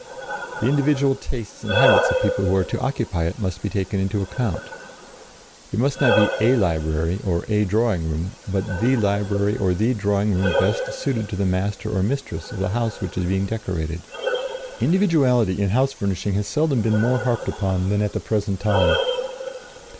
The individual tastes and habits of the people who are to occupy it must be taken into account; it must be not "a library," or "a drawing room," but the library or the drawing room best suited to the master or mistress of the house which is being decorated. Individuality in house furnishing has seldom been more harped upon than at the present time.